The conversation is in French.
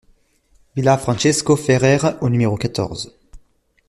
Villa Francisco Ferrer au numéro quatorze